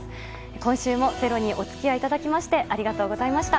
今週も「ｚｅｒｏ」にお付き合いいただきましてありがとうございました。